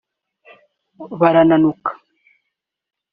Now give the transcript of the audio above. barananuka